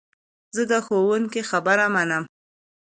زه د ښوونکو خبره منم.